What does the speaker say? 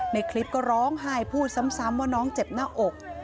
ในคลิปก็ร้องไห้พูดซ้ำว่าน้องเจ็บหน้าอก